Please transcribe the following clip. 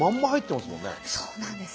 そうなんです。